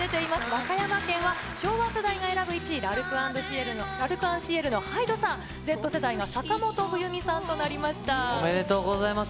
和歌山県は昭和世代が選ぶ１位、Ｌ’ＡｒｃｅｎＣｉｅｌのＨＹＤＥさん、Ｚ世代が坂本冬美さおめでとうございます。